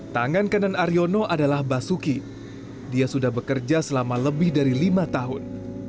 tangan kanan aryono adalah basuki dia sudah bekerja selama lebih dari lima tahun